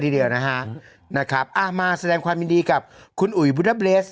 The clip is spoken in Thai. ทีเดียวนะฮะนะครับอ่ามาแสดงความยินดีกับคุณอุ๋ยบูดาเบรส